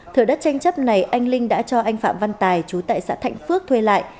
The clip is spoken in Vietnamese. thửa đất tranh chấp này anh linh đã cho anh phạm văn tài chú tại xã thạnh phước thuê lại